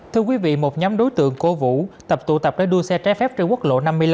thưa quý vị một nhóm đối tượng cố vũ tập tụ tập để đua xe trái phép trên quốc lộ năm mươi năm